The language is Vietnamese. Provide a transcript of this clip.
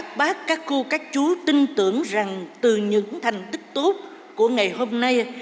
các bác các cô các chú tin tưởng rằng từ những thành tích tốt của ngày hôm nay